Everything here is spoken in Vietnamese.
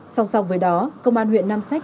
xong xong với đó công an huyện nam sách